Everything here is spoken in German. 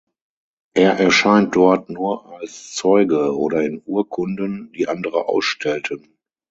Er erscheint dort nur als Zeuge oder in Urkunden, die andere ausstellten.